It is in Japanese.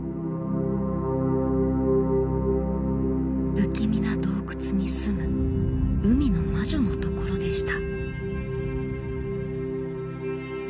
不気味な洞窟に住む海の魔女のところでした。